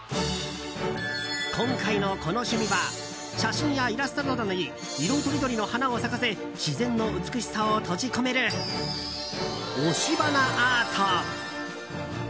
今回のこのシュミは写真やイラストなどに色とりどりの花を咲かせ自然の美しさを閉じ込める押し花アート。